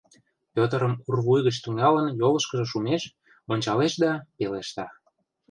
Пӧтырым ур вуй гыч тӱҥалын йолышкыжо шумеш ончалеш да пелешта: